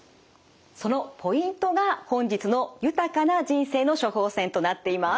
そのポイントが本日の豊かな人生の処方せんとなっています。